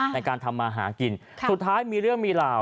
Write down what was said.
ในการทำมาหากินสุดท้ายมีเรื่องมีราว